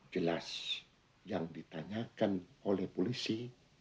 jelas yang ditanyakan oleh polisi